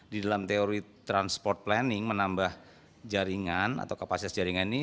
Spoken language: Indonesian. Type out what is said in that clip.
di dalam teori transport planning menambah jaringan atau kapasitas jaringan ini